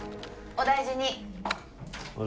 お大事に。